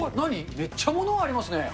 めっちゃ物ありますね。